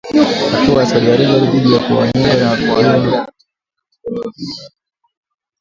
Hatua ya Saudi Arabia dhidi ya kuwanyonga ilizua machafuko katika eneo hilo hapo awali